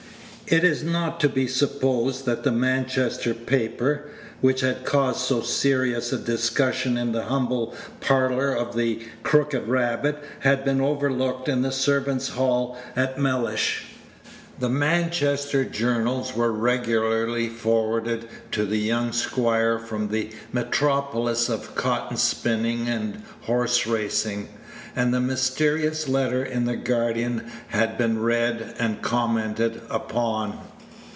It is not to be supposed that the Manchester paper, which had caused so serious a discussion in the humble parlor of the "Crooked Rabbit," had been overlooked in the servants' hall at Mellish. The Manchester journals were regularly forwarded to the young squire from the metropolis of cotton spinning and horse racing, and the mysterious letter in the Guardian had been read and commented upon.